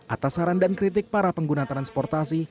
atas saran dan kritik para pengguna transportasi